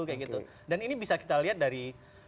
kayak gitu dan ini bisa kita lihat dari